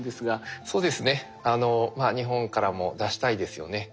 そうですね日本からも出したいですよね。